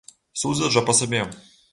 Судзяць жа па сабе!